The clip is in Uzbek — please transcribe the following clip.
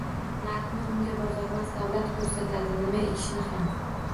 Narxni unga bozormas davlat koʻrsatadi, nima ekishni ham.